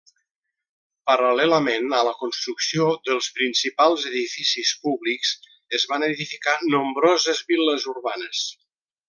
Paral·lelament a la construcció dels principals edificis públics, es van edificar nombroses vil·les urbanes.